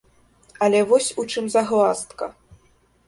Але вось у чым загваздка.